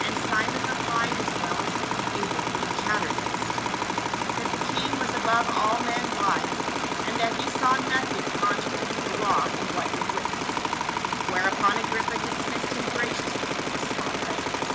And Simon replied as well as he was able for the chattering of his teeth, that the king was above all men wise, and that he saw nothing contrary to the law in what he had witnessed. Whereupon Agrippa dis missed him graciously with a small present.